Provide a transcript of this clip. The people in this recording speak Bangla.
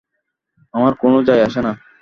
আমার কোনো যায় আসে না!